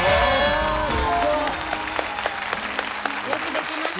よくできました。